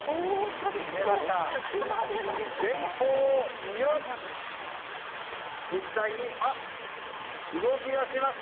閉めました。